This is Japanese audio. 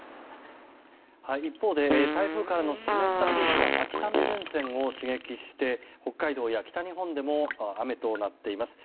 一方で台風からの湿った空気が秋雨前線を刺激して北海道や北日本でも雨となっています。